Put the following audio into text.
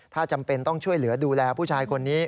ถ้าจำเป็นต้องช่วยเหลือดูแลผู้ชายคนนี้